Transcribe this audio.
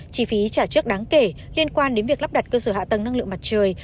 chi phí trả trước đáng kể liên quan đến việc lắp đặt cơ sở hạ tầng năng lượng mặt trời